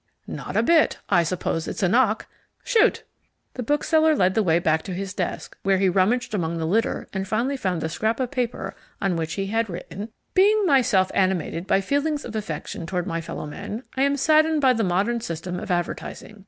"Not a bit. I suppose it's a knock. Shoot!" The bookseller led the way back to his desk, where he rummaged among the litter and finally found a scrap of paper on which he had written: Being myself animated by feelings of affection toward my fellowmen, I am saddened by the modern system of advertising.